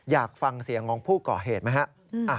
อยากฟังเสียงของผู้ก่อเหตุไหมครับ